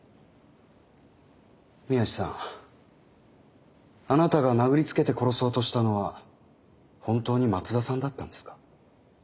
宮地さんあなたが殴りつけて殺そうとしたのは本当に松田さんだったんですか？